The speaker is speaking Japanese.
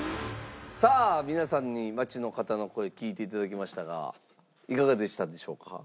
さあ皆さんに街の方の声聞いて頂きましたがいかがでしたでしょうか？